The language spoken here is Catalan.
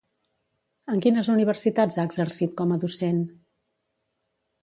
En quines universitats ha exercit com a docent?